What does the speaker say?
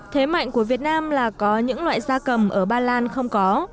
thế mạnh của việt nam là có những loại da cầm ở ba lan không có